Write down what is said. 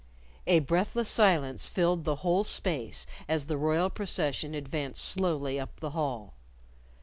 A breathless silence filled the whole space as the royal procession advanced slowly up the hall.